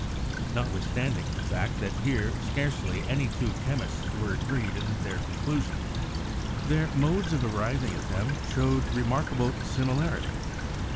Notwithstanding the fact that here scarcely any two chemists were agreed in their conclusions, their modes of arriving at them showed remarkable similarity.